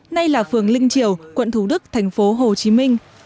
nay là phường linh triều quận thủ đức thành phố hồ chí minh